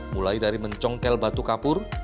mulai dari mencongkel batu kapur